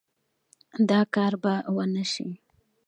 دا کار به ونشي